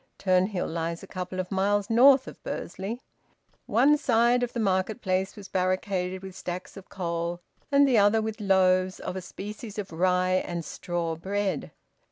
Turnhill lies a couple of miles north of Bursley. One side of the market place was barricaded with stacks of coal, and the other with loaves of a species of rye and straw bread.